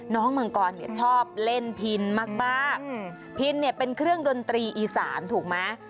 มังกรเนี่ยชอบเล่นพินมากพินเนี่ยเป็นเครื่องดนตรีอีสานถูกไหม